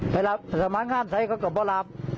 ไปรับประสามารถข้ามใช้ก็กลับมารับ